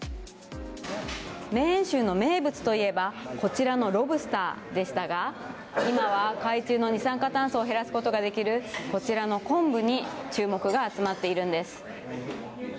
メーン州の名物といえばこちらのロブスターでしたが今は、海水の二酸化炭素を減らすことができるこちらの昆布に注目が集まっているんです。